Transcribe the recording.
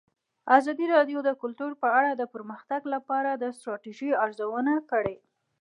ازادي راډیو د کلتور په اړه د پرمختګ لپاره د ستراتیژۍ ارزونه کړې.